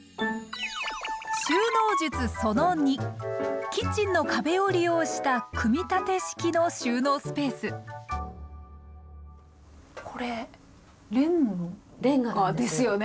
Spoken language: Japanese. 収納術その２キッチンの壁を利用した組み立て式の収納スペースこれれんがですよね。